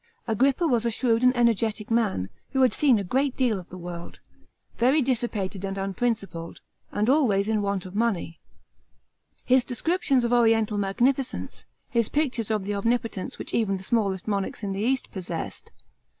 Agrippa was a shrewd and energetic man, who had seen a great deal of the world; very dissipated and unprincipled; and always in want of money. His descriptions of oriental magnificence, his pictures of the omni potence which even the small.st monarchs in the east possessed * In the Capitoline Museum. 87A.D. INFLUENCE OF HEROD AGEIPPA.